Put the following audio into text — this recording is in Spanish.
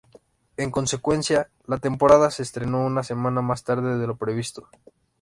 En consecuencia, la temporada se estrenó una semana más tarde de lo previsto.